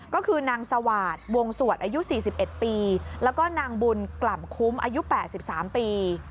ก็คือนางสวาสวงสวดอายุ๔๑ปีแล้วก็นางบุญกล่ำคุ้มอายุ๘๓ปี